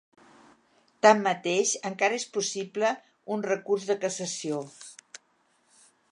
Tanmateix, encara és possible un recurs de cassació.